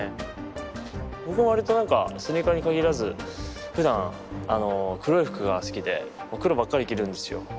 僕もわりとなんかスニーカーに限らずふだん黒い服が好きで黒ばっかり着るんですよ。